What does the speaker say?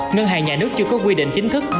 ngân hàng nhà nước chưa có quy định chính thức